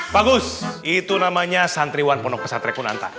bagus itu namanya santriwan ponok pesat rekunanta